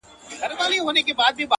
اوس مي نو ومرگ ته انتظار اوسئ.